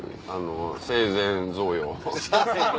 生前贈与。